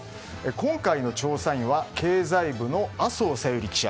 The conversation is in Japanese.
今回の調査員は経済部の麻生小百合記者。